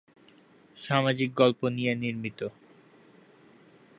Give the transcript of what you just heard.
সামাজিক গল্প নিয়ে নির্মিত।